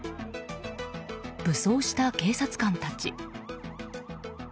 武装した警察官たち。